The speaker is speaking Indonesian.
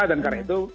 dan karena itu